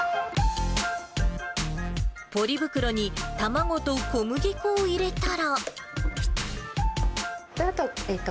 ポリ袋に卵と小麦粉を入れたら。